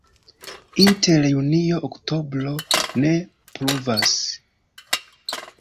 Inter junio-oktobro ne pluvas.